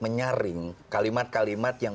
menyaring kalimat kalimat yang